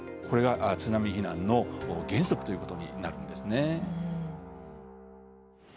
これが津波避難の原則ということになるんですね。